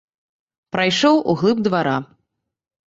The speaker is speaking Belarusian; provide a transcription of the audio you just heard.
Прайшоў у глыб двара.